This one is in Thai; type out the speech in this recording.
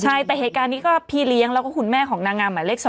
ใช่แต่เหตุการณ์นี้ก็พี่เลี้ยงแล้วก็คุณแม่ของนางงามหมายเลข๒